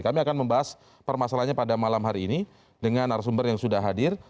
kami akan membahas permasalahannya pada malam hari ini dengan narasumber yang sudah hadir